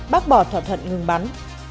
bác bỏ thỏa thuận ngừng bắn